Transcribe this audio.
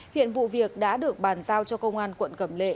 hiện vụ việc đã được bàn giao cho công an quận cẩm lệ